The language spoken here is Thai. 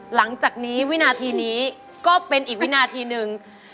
หลังจากนี้วินาทีนี้ก็เป็นอีกวินาทีหนึ่ง